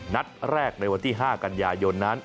นัดแรกในวัน๕กันยายกร์ดน้าน